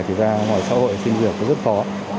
thì ra ngoài xã hội sinh viên cũng rất khó